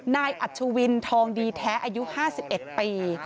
อัชวินทองดีแท้อายุ๕๑ปี